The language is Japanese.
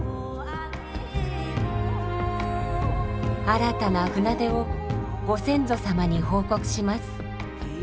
新たな船出をご先祖様に報告します。